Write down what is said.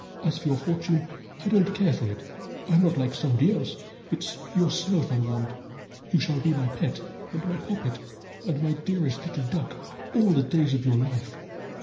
As for your fortune, I don't care that for it! I'm not like somebody else; it's yourself I want. You shall be my pet, and my poppet, and my dearest little duck all the days of your life."